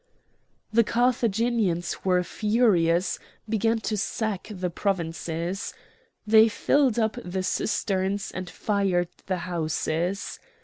The Carthaginians, who were furious, began to sack the provinces; they filled up the cisterns and fired the houses.